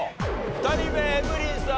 ２人目エブリンさん